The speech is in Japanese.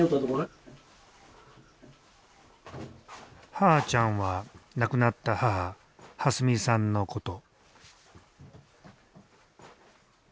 「はーちゃん」は亡くなった母「はすみ」さんのこと。